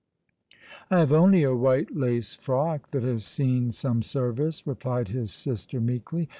"I have only a white lace frock that has seen some service," replied his sister, meekly.